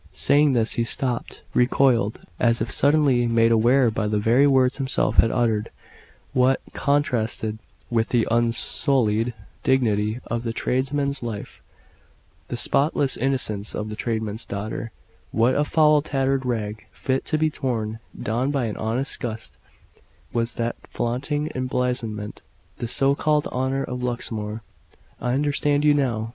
Saying this he stopped recoiled as if suddenly made aware by the very words himself had uttered, what contrasted with the unsullied dignity of the tradesman's life, the spotless innocence of the tradesman's daughter what a foul tattered rag, fit to be torn down by an honest gust, was that flaunting emblazonment, the so called "honour" of Luxmore! "I understand you now.